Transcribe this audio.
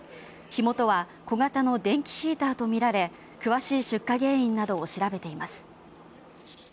火元は小型の電気ヒーターとみられ、詳しい出火原因などを調べています。